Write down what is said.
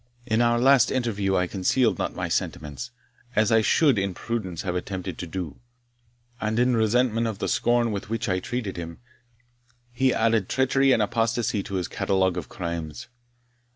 In our last interview I concealed not my sentiments, as I should in prudence have attempted to do; and in resentment of the scorn with which I treated him, he added treachery and apostasy to his catalogue of crimes.